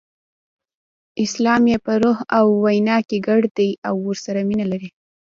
اسلام یې په روح او وینه کې ګډ دی او ورسره مینه لري.